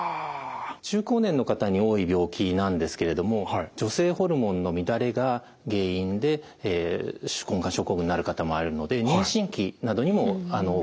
中高年の方に多い病気なんですけれども女性ホルモンの乱れが原因で手根管症候群になる方もあるので妊娠期などにも起こったりします。